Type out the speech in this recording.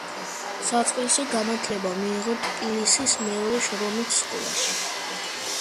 საწყისი განათლება მიიღო ტფილისის მეორე შრომით სკოლაში.